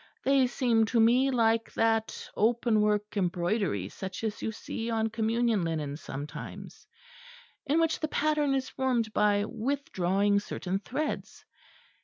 They seem to me like that openwork embroidery such as you see on Communion linen sometimes, in which the pattern is formed by withdrawing certain threads.